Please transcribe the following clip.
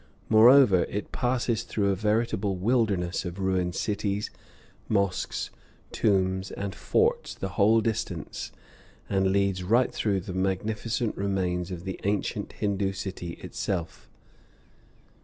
Moreover, it passes through a veritable wilderness of ruined cities, mosques, tombs, and forts the whole distance, and leads right through the magnificent remains of the ancient Hindoo city itself.